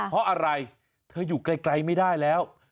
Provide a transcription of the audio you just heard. เพราะอะไรเธออยู่ไกลไม่ได้แล้ว